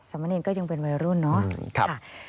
มะเนรก็ยังเป็นวัยรุ่นเนาะ